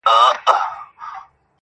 څه غزل څه قصیده وای-